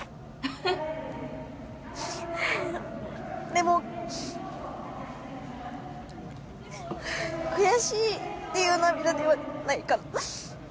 でも、悔しいっていう涙ではないから。